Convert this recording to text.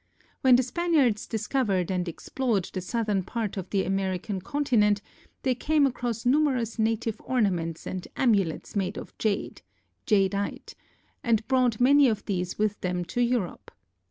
When the Spaniards discovered and explored the southern part of the American continent, they came across numerous native ornaments and amulets made of jade (jadeite) and brought many of these with them to Europe.